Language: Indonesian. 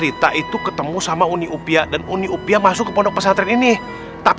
kita sih belum ada liat ya ustazah